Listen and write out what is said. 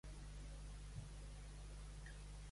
Ravenna fou capital de l'exarcat durant tres segles.